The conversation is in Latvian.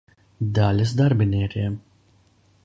Daļas darbiniekiem.